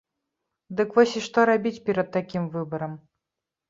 Дык вось і што рабіць перад такім выбарам?